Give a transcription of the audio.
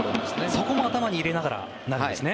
そこも頭に入れながらなんですね。